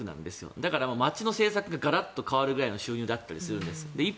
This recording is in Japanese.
だから町の政策がガラッと変わるぐらいの政策だったりするんです。